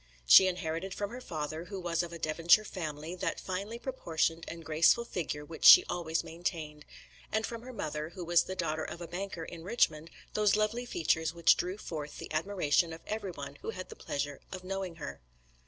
She inherited from her father, who was of a Devonshire family, that finely proportioned and graceful figure which she always maintained; and from her mother, who was the daughter of a banker in Richmond, those lovely features which drew forth the admiration of everyone who had the pleasure of knowing her.